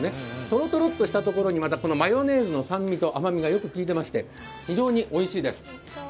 とろとろっとしたところにマヨネーズの酸味と甘みがよくきいていまして非常においしいです。